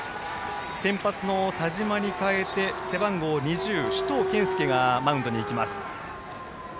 先発の田嶋に代えて背番号２０、首藤健介がマウンドに行きます。